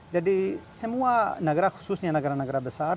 jadi semua negara khususnya negara negara besar